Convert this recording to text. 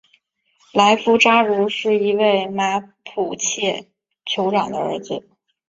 莱夫扎茹是一位马普切酋长的儿子。